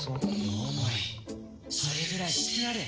「桃井それぐらいしてやれ。